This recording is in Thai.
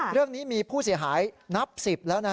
เรื่องนี้มีผู้เสียหายนับ๑๐แล้วนะ